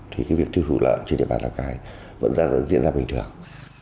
thì cái việc tiêu thụ lợn trên địa bàn lào cai vẫn diễn ra bình thường